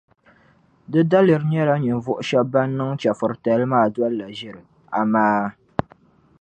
Di daliri nyɛla ninvuɣu shεba ban niŋ chεfuritali maa dolila ʒiri, amaa!